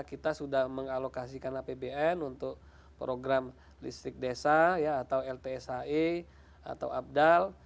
kita sudah mengalokasikan apbn untuk program listrik desa ya atau ltsai atau abdal